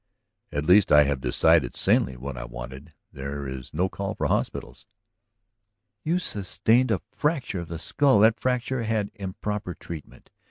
"At least I have decided sanely what I wanted, there is no call for hospitals." "You sustained a fracture of the skull. That fracture had improper treatment.